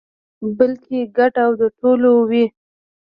بلکې ګډ او د ټولو وي.